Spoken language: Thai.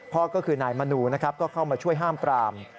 พ่อก็คือนายมนูนะครับก็เข้ามาช่วยห้ามปราม